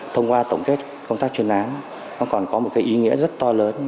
thông qua tổng kết công tác chuyên án nó còn có một cái ý nghĩa rất to lớn